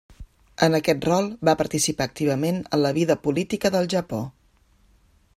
En aquest rol va participar activament en la vida política del Japó.